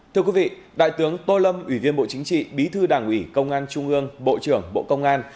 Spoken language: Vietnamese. thưa quý vị đại tướng tô lâm ủy viên bộ chính trị bí thư đảng ủy công an trung ương bộ trưởng bộ công an